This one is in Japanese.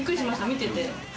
見てて。